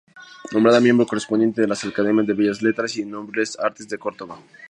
Nombrada Miembro correspondiente de la Academia de Bellas Letras y Nobles Artes de Córdoba.